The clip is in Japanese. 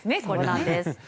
そうなんです。